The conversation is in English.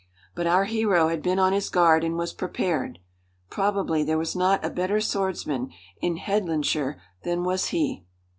But our hero had been on his guard and was prepared. Probably there was not a better swordsman in Headlandshire than was he.